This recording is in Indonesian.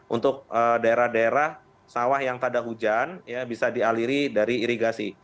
untuk daerah daerah sawah yang tak ada hujan bisa dialiri dari irigasi